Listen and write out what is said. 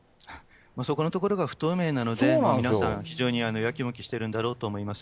そこのところが不透明なので、皆さん非常にやきもきしているんだろうと思います。